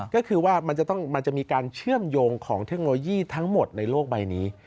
ก็คือว่ามันจะมีการเชื่อมโยงของเทคโนโลยีทั้งหมดในโลกใบนี้